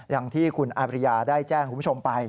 อย่างที่คุณอาบริยาได้แจ้งคุณผู้ชมไป